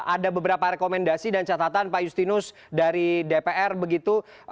ada beberapa rekomendasi dan catatan pak justinus dari dpr begitu